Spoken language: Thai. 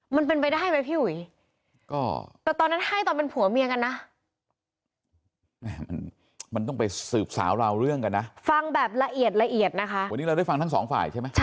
มันไปได้ไหมพี่หุยก็แต่ตอนนั้นให้ตอนเป็นผัวเมียกันนะ